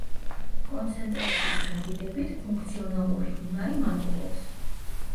კონცენტრაციის გადიდებით ფუნქციონალური უნარი მატულობს.